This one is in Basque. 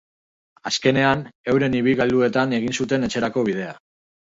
Azkenean, euren ibilgailuetan egin zuten etxerako bidea.